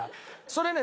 それね